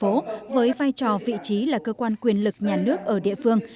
hội đồng nhân dân tp hà nội với vai trò vị trí là cơ quan quyền lực nhà nước ở địa phương